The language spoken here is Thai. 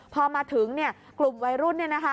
พอมาถึงกลุ่มวัยรุ่น